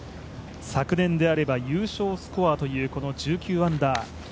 昨年であれば優勝スコアという１９アンダー。